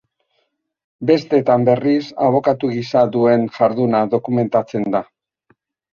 Bestetan, berriz, abokatu gisa duen jarduna dokumentatzen da.